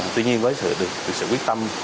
tuy nhiên với sự được sự quyết tâm